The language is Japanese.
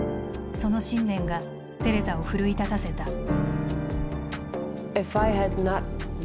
その信念がテレザを奮い立たせた。